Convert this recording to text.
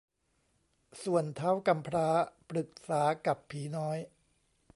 ส่วนท้าวกำพร้าปรึกษากับผีน้อย